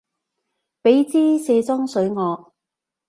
畀枝卸妝水我